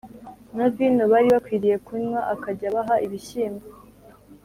na vino bari bakwiriye kunywa akajya abaha ibishyimbo